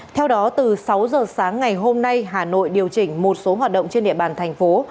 theo đó từ sáu giờ sáng ngày hôm nay hà nội điều chỉnh một số hoạt động trên địa bàn thành phố